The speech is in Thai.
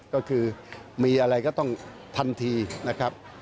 ก็คือมีอะไรก็ต้องทันทีนะครับ